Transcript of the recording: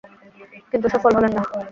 কিন্তু সফল হলেন না।